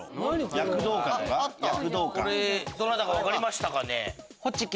どなかた分かりましたか？